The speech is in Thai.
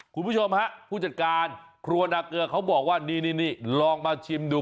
คุณผู้ชมฮะผู้จัดการครัวนาเกลือเขาบอกว่านี่ลองมาชิมดู